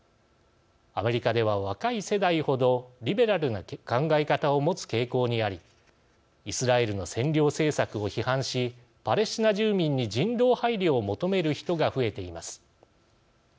アメリカでは、若い世代ほどリベラルな考え方を持つ傾向にありイスラエルの占領政策を批判しパレスチナ住民に人道配慮を求める人が増えています。